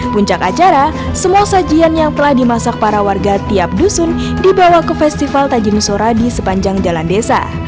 puncak acara semua sajian yang telah dimasak para warga tiap dusun dibawa ke festival tajin sora di sepanjang jalan desa